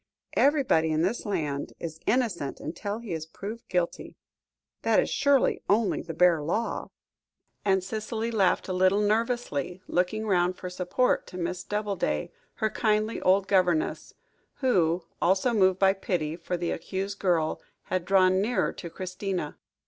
Everybody in this land is innocent until he is proved guilty that is surely only the bare law," and Cicely laughed a little nervously, looking round for support to Miss Doubleday, her kindly old governess, who, also moved by pity for the accused girl, had drawn nearer to Christina.